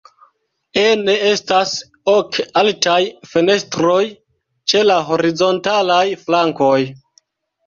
Ene estas ok altaj fenestroj ĉe la horizontalaj flankoj.